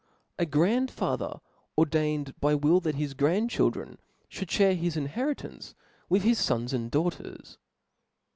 A grandfather ordained by will, that peiid. to i^jg grandchildren ihould fhare his inheritance widi form. ^9. his fons and daughters.